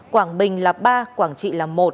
quảng bình là ba quảng trị là một